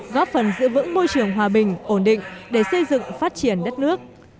góp phần giữ vững môi trường hòa bình ổn định để xây dựng phát triển đất nước